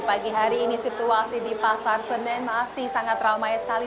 pagi hari ini situasi di pasar senen masih sangat ramai sekali